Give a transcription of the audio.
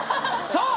さあ